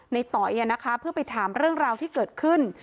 ต๋อยเพื่อไปถามเรื่องราวที่เกิดขึ้น